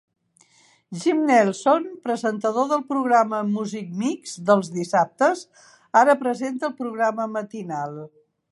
Jim Nelson, presentador del programa "Music Mix" dels dissabtes, ara presenta el programa matinal.